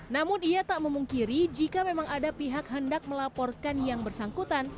namun ia tak memungkiri jika memang ada pihak hendak melaporkan yang bersangkutan